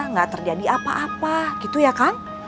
gak terjadi apa apa gitu ya kang